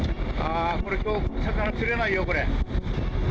あー、これ、きょう魚釣れないよ、これ。